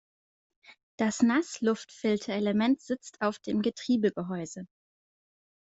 Das Nass-Luftfilterelement sitzt auf dem Getriebegehäuse.